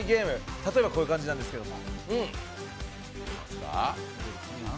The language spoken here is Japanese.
例えばこういう感じなんですけれども。